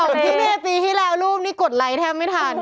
ของพี่เมย์ปีที่แล้วรูปนี้กดไลค์แทบไม่ทัน